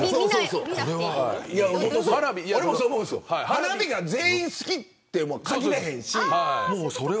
花火が全員好きとは限らへんし。